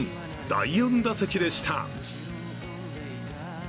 第４打席でした。